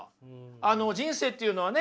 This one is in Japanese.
あの人生っていうのはね